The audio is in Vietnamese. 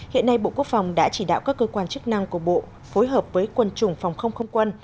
hiện nay bộ quốc phòng đã chỉ đạo các cơ quan chức năng của bộ phối hợp với quân chủng phòng không không quân